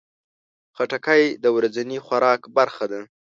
خټکی د ورځني خوراک برخه ده.